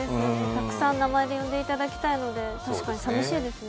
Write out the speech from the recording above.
たくさん名前で呼んでいただきたいので、確かに寂しいですね。